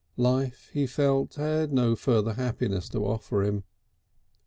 Life he felt had no further happiness to offer him.